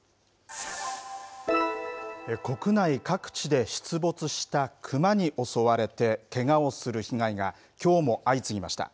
国内各地で出没した熊に襲われてけがをする被害がきょうも相次ぎました。